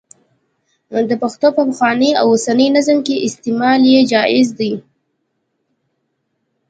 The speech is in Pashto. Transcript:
د پښتو په پخواني او اوسني نظم کې استعمال یې جائز دی.